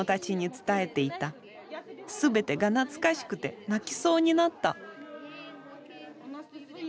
全てが懐かしくて泣きそうになった。